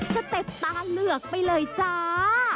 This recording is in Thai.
เต็ปตาเหลือกไปเลยจ้า